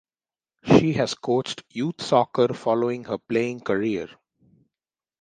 She has coached youth soccer following her playing career.